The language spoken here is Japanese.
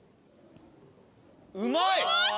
うまい！